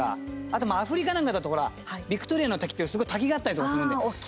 あとアフリカなんかだとヴィクトリアの滝っていう滝があったりするんで。